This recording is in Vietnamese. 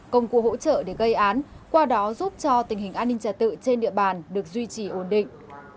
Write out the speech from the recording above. công cụ hỗ trợ để gây án qua đó giúp cho tình hình an ninh trả tự trên địa bàn được duy trì ổn định